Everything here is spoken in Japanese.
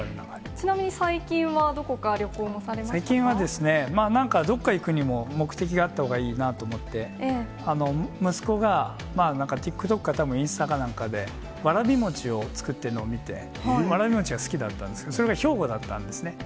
ちなみに最近は、どこか旅行最近は、なんかどこか行くにも、目的があったほうがいいなと思って、息子がＴｉｋＴｏｋかたぶんインスタかなんかで、わらび餅を作っているのを見て、わらび餅が好きだったんですけど、それが兵庫だったんですね。